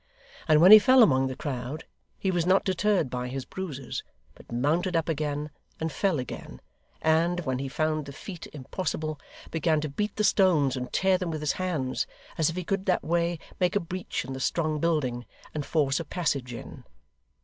And when he fell among the crowd, he was not deterred by his bruises, but mounted up again, and fell again, and, when he found the feat impossible, began to beat the stones and tear them with his hands, as if he could that way make a breach in the strong building, and force a passage in.